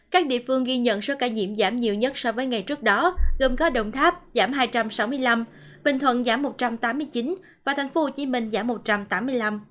các địa phương ghi nhận số ca nhiễm giảm nhiều nhất so với ngày trước đó gồm có đồng tháp giảm hai trăm sáu mươi năm bình thuận giảm một trăm tám mươi chín và tp hcm giảm một trăm tám mươi năm